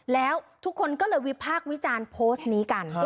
แล้วทุกคนก็เลยวิพากษ์วิจารณ์โพสต์นี้กัน